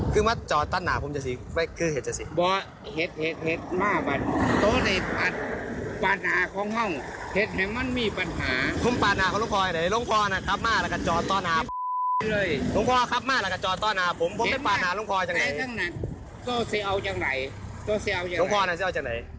เห็ดที่มันมีปัญหา